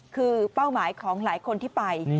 คือเป้าหมายของหลายคนที่ไป